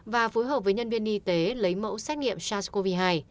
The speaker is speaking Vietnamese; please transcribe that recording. và phối hợp với nhân viên y tế lấy mẫu xét nghiệm sars cov hai